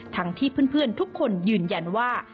ทั้งที่เพื่อนทุกคนยืนยันว่า